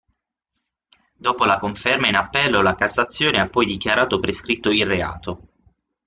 Dopo la conferma in appello, la Cassazione ha poi dichiarato prescritto il reato.